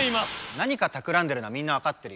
何かたくらんでるのはみんなわかってるよ。